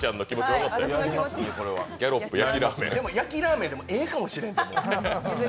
でも、焼ラーメンでもええかもしれんで。